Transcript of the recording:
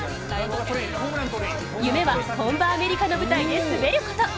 夢は本場アメリカの舞台で滑ること。